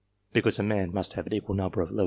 because a man must have an equal number of g.